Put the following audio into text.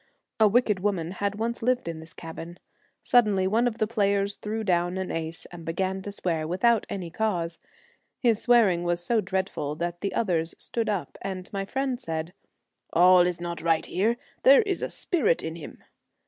A wicked woman had once lived in this cabin. Suddenly one of the players threw down an ace and 54 began to swear without any cause. His A Knight swearing was so dreadful that the others Sheep. stood up, and my friend said, ' All is not right here ; there is a spirit in him.'